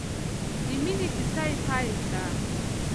د مینې کیسه یې پیل کړه.